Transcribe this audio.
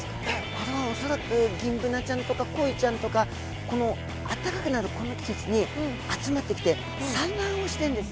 これは恐らくギンブナちゃんとかコイちゃんとかあったかくなるこの季節に集まってきて産卵。